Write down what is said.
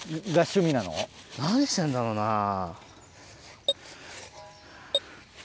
何してんだろうなぁ。